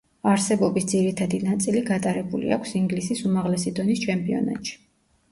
არსებობის ძირითადი ნაწილი გატარებული აქვს ინგლისის უმაღლესი დონის ჩემპიონატში.